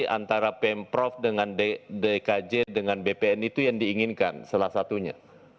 antara pemprov dengan dkj dengan bpn itu yang diinginkan salah satunya